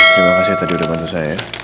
terima kasih tadi udah bantu saya